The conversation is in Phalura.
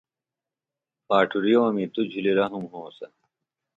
پھاٹُریومی توۡ جُھلیۡ رھم ہونسہ۔